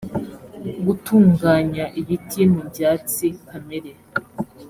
gutunganya ibiti mu byatsi kamere